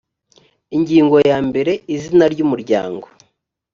ingingo ya mbere izina ry umuryango